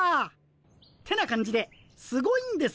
ってな感じですごいんですよ